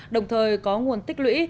đồng thời có nguồn tích lũy